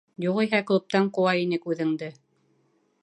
Юғиһә, клубтан ҡыуа инек үҙеңде.